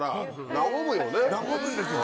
和むんですよ